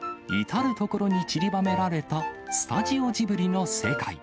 至る所に散りばめられたスタジオジブリの世界。